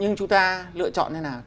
nhưng chúng ta lựa chọn thế nào